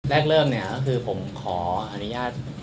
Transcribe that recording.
แรกเริ่มเนี่ยก็คือผมขออนุญาต